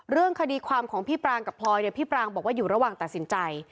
เรื่องคดีความของพี่ปรางกับพลอยเนี่ยพี่ปรางบอกว่าอยู่ระหว่างตัดสินใจ